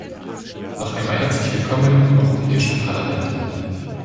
Noch einmal herzlich willkommen im Europäischen Parlament.